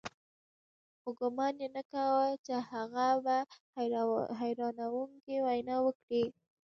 خو ګومان یې نه کاوه چې هغه به حیرانوونکې وینا وکړي